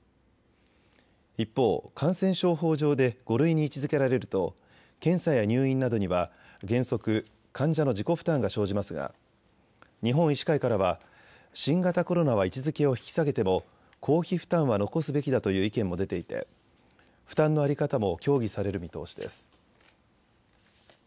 一方、感染症法上で５類に位置づけられると検査や入院などには原則、患者の自己負担が生じますが日本医師会からは新型コロナは位置づけを引き下げても公費負担は残すべきだという意見も出ていて負担の在り方も協議される見通しです。